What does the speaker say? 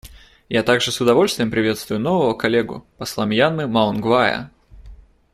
Я также с удовольствием приветствую нового коллегу посла Мьянмы Маунг Вая.